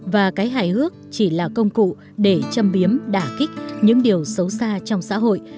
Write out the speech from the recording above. và cái hài hước chỉ là công cụ để châm biếm đả kích những điều xấu xa trong xã hội